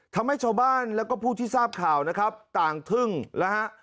ทำให้ชาวบ้านแล้วก็ผู้ที่ทราบข่าวนะครับต่างทึ่งนะฮะ